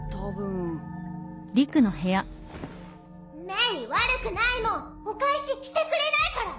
メイ悪くないもん！お返ししてくれないから！